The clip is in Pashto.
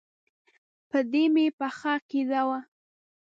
په دې مې پخه عقیده وه.